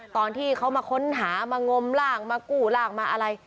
ตอนที่เขามาค้นหามางมร่างมากู้ร่างมาอะไร